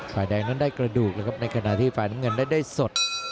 ฝ่ายแดงนั้นได้กระดูกเลยครับในขณะที่ฝ่ายน้ำเงินได้สด